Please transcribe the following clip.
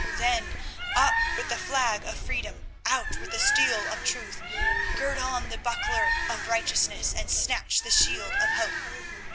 Then up with the flag of freedom; out with the steel of truth, gird on the buckler of righteousness, and snatch the shield of hope.